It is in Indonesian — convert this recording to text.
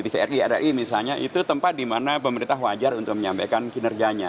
seperti tvri misalnya itu tempat di mana pemerintah wajar untuk menyampaikan kinerjanya